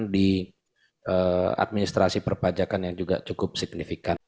di administrasi perpajakan yang juga cukup signifikan